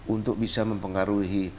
untuk bisa mempengaruhi